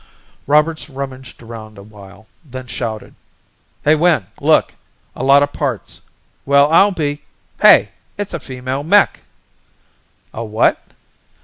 Roberts rummaged around awhile, then shouted: "Hey, Wynn, look! A lot of parts. Well I'll be hey it's a female mech!" "A what?"